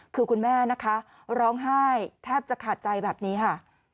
คือคุณแม่นะคะร้องไห้แทบจะขาดใจแบบนี้ค่ะ